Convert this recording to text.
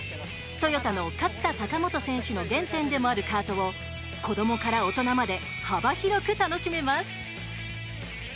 トヨタの勝田貴元選手の原点でもあるカートを子供から大人まで幅広く楽しめます。